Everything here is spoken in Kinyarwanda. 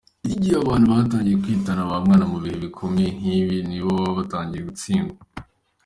Igihe abantu batangiye kwitana bamwana mu bihe bikomeye nk’ibi niho baba batangiye gutsindwa.